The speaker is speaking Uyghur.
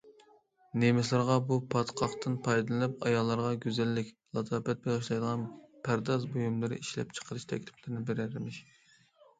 نېمىسلارغا بۇ پاتقاقتىن پايدىلىنىپ، ئاياللارغا گۈزەللىك، لاتاپەت بېغىشلايدىغان پەرداز بۇيۇملىرى ئىشلەپچىقىرىش تەكلىپلىرىنى بېرەرمىش.